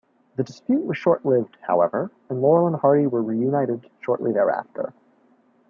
The dispute was short-lived, however, and Laurel and Hardy were reunited shortly thereafter.